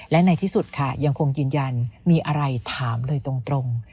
และในที่สุดค่ะยังคงยืนยันมีอะไรถามเลยตรง